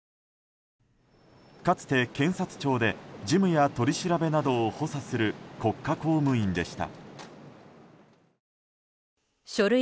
かつて検察庁で事務や取り調べなどを補佐する国家公務員でした。